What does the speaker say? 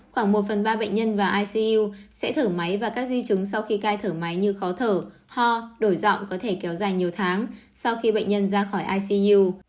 khoảng một phần ba bệnh nhân và icu sẽ thở máy và các di chứng sau khi cai thở máy như khó thở ho đổi giọng có thể kéo dài nhiều tháng sau khi bệnh nhân ra khỏi icu